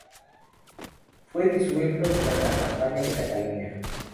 Fue disuelto tras la campaña de Cataluña.